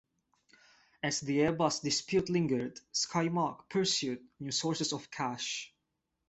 As the Airbus dispute lingered, Skymark pursued new sources of cash.